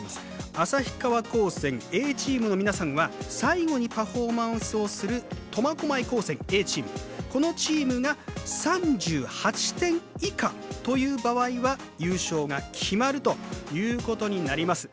旭川高専Ａチームの皆さんは最後にパフォーマンスをする苫小牧高専Ａチームこのチームが３８点以下という場合は優勝が決まるということになります。